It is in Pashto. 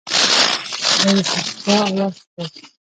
دا یې هغه خوا او اړخ دی.